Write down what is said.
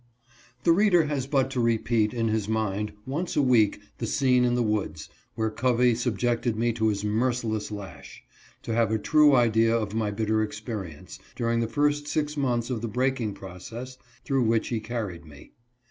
THE reader has but to repeat, in his mind, once a week the scene in the woods, where Covey subjected me to his merciless lash, to have a true idea of my bitter experience, during the first six months of the breaking process through which he carried me.